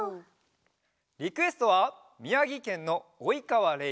リクエストはみやぎけんのおいかわれいちゃん５さいから。